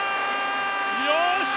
よし！